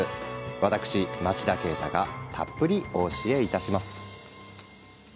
私、町田啓太がたっぷりお教えいたします。